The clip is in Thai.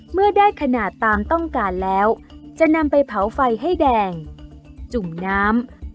เมื่อได้ขนาดตามต้องการแล้วจะนำไปเผาไฟให้แดงจุ่มน้ำ